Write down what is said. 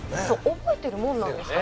覚えてるもんなんですか？